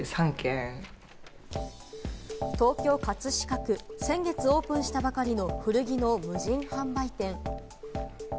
東京・葛飾区、先月オープンしたばかりの古着の無人販売店。